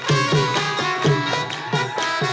โอ้โหโอ้โหโอ้โหโอ้โห